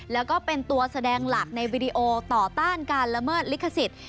แล้วก็เป็นตัวแสดงหลักในวิดีโอต่อต้านการละเมิดลิขสิทธิ์